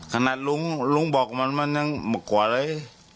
ขนาดลุงลุงบอกมันมันยังเมื่อกว่าเลย